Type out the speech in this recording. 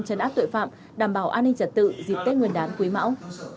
chấn áp tội phạm đảm bảo an ninh trật tự dịp tết nguyên đán quý mão